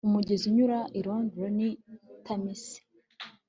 Umugezi unyura i Londres ni Thames